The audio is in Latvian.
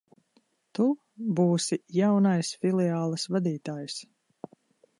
Tu būsi jaunais filiāles vadītājs.